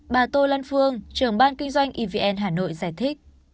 bà tô lan phương trưởng ban kinh doanh evn hà nội giải thích